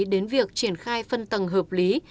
đến việc triển khai phân tầng hợp lý